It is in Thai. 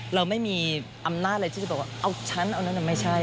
เราไม่มีอำนาจอะไรที่จะบอกว่าเอาฉันเอานั้นไม่ใช่